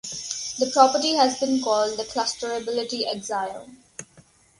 The property has been called the "clusterability axiom".